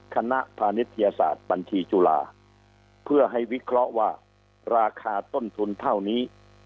พาณิชยศาสตร์บัญชีจุฬาเพื่อให้วิเคราะห์ว่าราคาต้นทุนเท่านี้